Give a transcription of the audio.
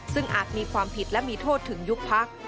ซึ่งอาจมีความผิดและมีโทษถึงยุคพัก